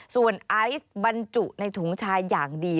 ส่วนไอซ์บรรจุในถุงชายอย่างดี